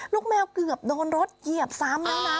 ลูกแมวเกือบโดนรถเหงียบ๓น้ำ